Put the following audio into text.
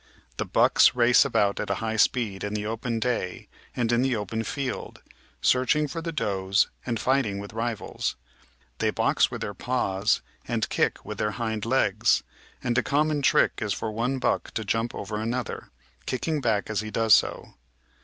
The bucks race about at a high speed in the open day and in the open field, searching for the does and fighting with rivals. They box with their paws and kick with their hind legs, and a common trick is for one buck to jump over another, kicking back as he does so.